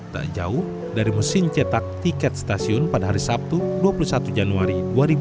tak jauh dari mesin cetak tiket stasiun pada hari sabtu dua puluh satu januari dua ribu dua puluh